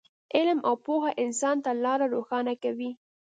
علم او پوهه انسان ته لاره روښانه کوي.